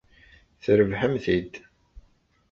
Trebḥem-t-id.